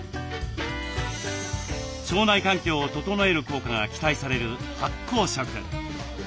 腸内環境を整える効果が期待される発酵食。